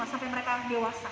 sampai mereka dewasa